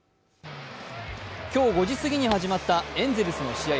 今日５時すぎに始まったエンゼルスの試合。